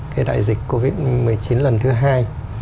cái đại dịch covid một mươi chín lần thứ hai